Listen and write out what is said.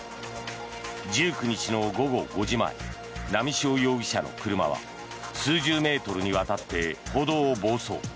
１９日の午後５時前波汐容疑者の車は数十メートルにわたって歩道を暴走。